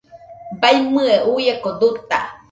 Baiñɨe uieko duta